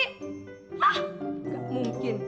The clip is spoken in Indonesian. hah ga mungkin